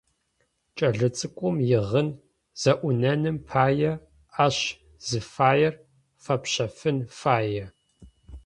Кӏэлэцӏыкӏум игъын зэӏунэным пае, ащ зыфаер фэпщэфын фае.